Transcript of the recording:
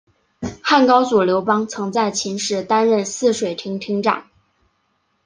汉高祖刘邦曾在秦时担任泗水亭亭长。